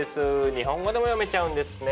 日本語でも読めちゃうんですね。